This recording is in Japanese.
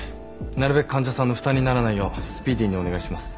なるべく患者さんの負担にならないようスピーディーにお願いします。